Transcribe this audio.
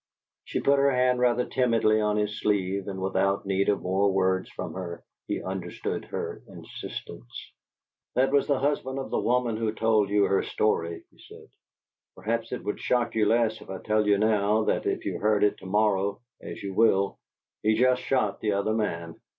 She put her hand rather timidly on his sleeve, and without need of more words from her he understood her insistence. "That was the husband of the woman who told you her story," he said. "Perhaps it would shock you less if I tell you now than if you heard it to morrow, as you will. He's just shot the other man."